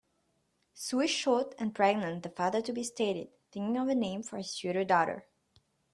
"Sue is short and pregnant", the father-to-be stated, thinking of a name for his future daughter.